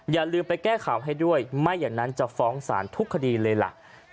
อย่าลืมไปแก้ข่าวให้ด้วยไม่อย่างนั้นจะฟ้องศาลทุกคดีเลยล่ะ